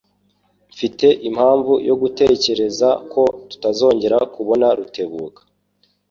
Mfite impamvu yo gutekereza ko tutazongera kubona Rutebuka.